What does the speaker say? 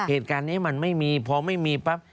เหตุการณ์นี้มันไม่มีพอไม่มีปั๊บ